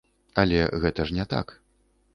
Але гэта ж не так.